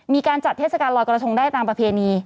มีการจัดเทศกาลลอยกระทงได้ตามประเพณี